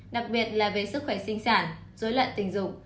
đặc biệt là về sức khỏe sinh sản dối loạn tình dục